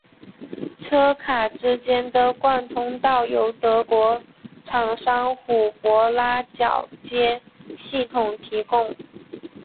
车卡之间的贯通道由德国厂商虎伯拉铰接系统提供。